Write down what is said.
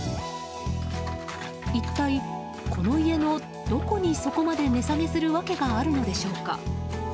一体、この家のどこにそこまで値下げする訳があるのでしょうか。